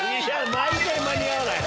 毎回間に合わない！